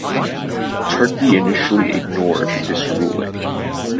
Turkey initially ignored this ruling.